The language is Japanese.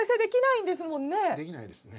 できないですね。